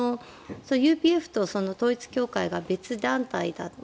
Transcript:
ＵＰＦと統一教会が別団体だと。